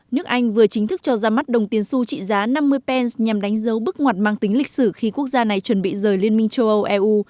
nước anh vừa chính thức cho ra mắt đồng tiền su trị giá năm mươi pence nhằm đánh dấu bước ngoặt mang tính lịch sử khi quốc gia này chuẩn bị rời liên minh châu âu eu